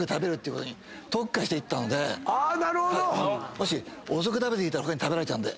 何で⁉遅く食べていたら他に食べられちゃうんで。